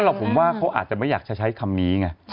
หรอกผมว่าเขาอาจจะไม่อยากจะใช้คำนี้ไง